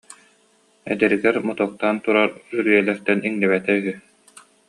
Эдэригэр мотуоктаан турар үрүйэлэртэн иҥнибэтэ үһү